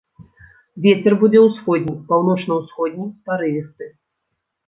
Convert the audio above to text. Вецер будзе ўсходні, паўночна-ўсходні, парывісты.